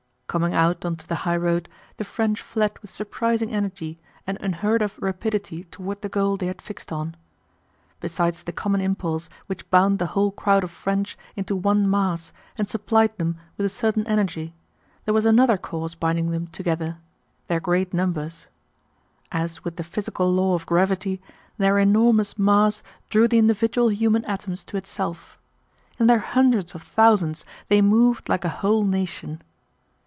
Coming out onto the highroad the French fled with surprising energy and unheard of rapidity toward the goal they had fixed on. Besides the common impulse which bound the whole crowd of French into one mass and supplied them with a certain energy, there was another cause binding them together—their great numbers. As with the physical law of gravity, their enormous mass drew the individual human atoms to itself. In their hundreds of thousands they moved like a whole nation.